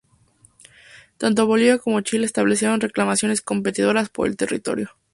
Tanto Bolivia como Chile establecieron reclamaciones competidoras por el territorio.